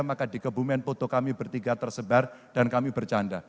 maka di kebumen foto kami bertiga tersebar dan kami bercanda